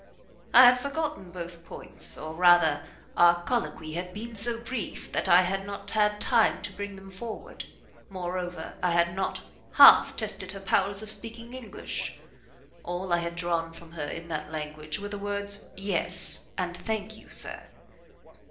I had forgotten both points, or, rather, our colloquy had been so brief that I had not had time to bring them forward; moreover, I had not half tested her powers of speaking English; all I had drawn from her in that language were the words "Yes," and "Thank you, sir."